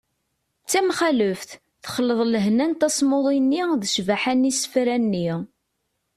d tamxaleft : texleḍ lehna n tasmuḍi-nni d ccbaḥa n yisefra-nni